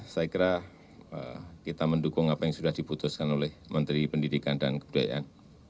saya kira kita mendukung apa yang sudah diputuskan oleh menteri pendidikan dan kebudayaan